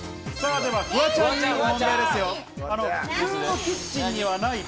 ではフワちゃんに問題です。